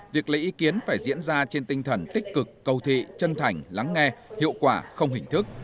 việc lấy ý kiến phải diễn ra trên tinh thần tích cực cầu thị chân thành lắng nghe hiệu quả không hình thức